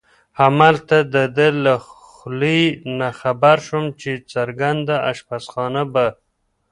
همالته د ده له خولې نه خبر شوم چې ګرځنده اشپزخانه به.